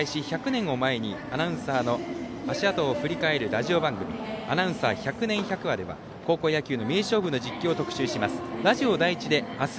１００年を前にアナウンサーの足跡を振り返るラジオ番組「アナウンサー百年百話」では高校野球の名勝負の実況をお届けします。